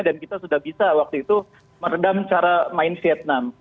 dan kita sudah bisa waktu itu meredam cara main vietnam